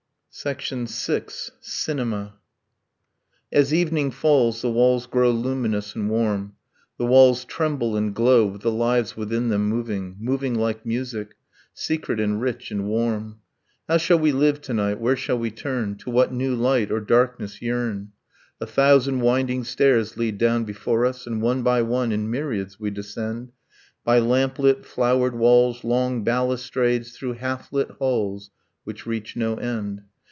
.. VI. CINEMA As evening falls, The walls grow luminous and warm, the walls Tremble and glow with the lives within them moving, Moving like music, secret and rich and warm. How shall we live to night, where shall we turn? To what new light or darkness yearn? A thousand winding stairs lead down before us; And one by one in myriads we descend By lamplit flowered walls, long balustrades, Through half lit halls which reach no end.